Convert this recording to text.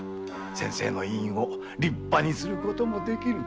先生の医院も立派にすることもできる。